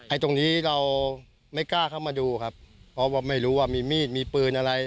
ตรงนี้เราไม่กล้าเข้ามาดูครับเพราะว่าไม่รู้ว่ามีมีดมีปืนอะไร